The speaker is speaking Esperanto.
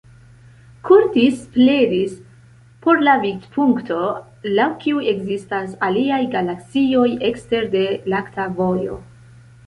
Curtis pledis por la vidpunkto, laŭ kiu ekzistas aliaj galaksioj ekstere de Lakta Vojo.